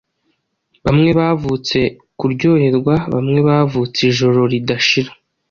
Bamwe Bavutse kuryoherwa, Bamwe bavutse Ijoro ridashira.